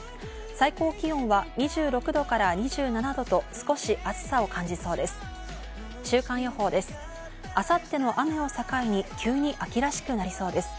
最高気温は２６度から２７度と少し暑さを感じそうです。